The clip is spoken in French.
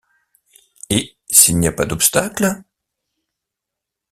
Et s’il n’y a pas d’obstacle ?...